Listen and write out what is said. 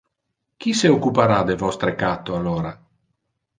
Qui se occupara de vostre catto alora?